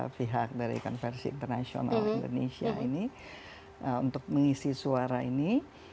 pihak dari konversi internasional indonesia ini untuk mengisi suara ini